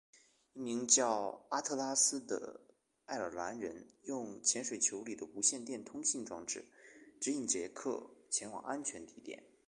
一名叫阿特拉斯的爱尔兰人用潜水球里的无线电通信装置指引杰克前往安全地点。